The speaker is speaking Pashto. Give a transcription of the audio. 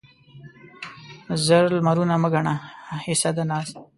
زر لمرونه مه ګڼه حصه د ناز